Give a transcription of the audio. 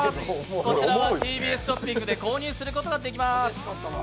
こちらはＴＢＳショッピングで購入することができます。